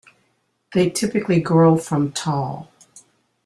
They typically grow from tall.